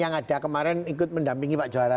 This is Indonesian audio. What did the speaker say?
yang ada kemarin ikut mendampingi pak juara